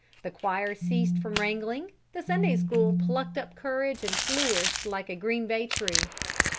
The choir ceased from wrangling, the Sunday School plucked up courage and flourished like a green bay tree.